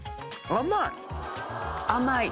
甘い！